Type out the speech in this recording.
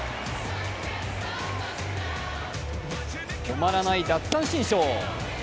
止まらない奪三振ショー。